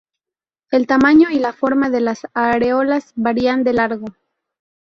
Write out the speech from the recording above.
El tamaño y la forma de las areolas varían de largo.